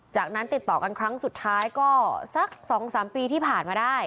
จากนั้นติดต่อกันครั้งสุดท้ายก็สัก๒๓ปีที่ผ่านมาได้